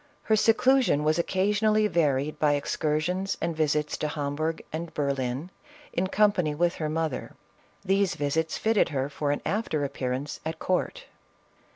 Her seclu sion was occasionally varied by excursions and visits to Hamburgh and Berlin, in company with her mother ; these visits fitted her for an after appearance at court.